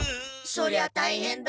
そりゃ大変だ。